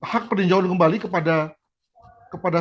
hak peninjauan kembali kepada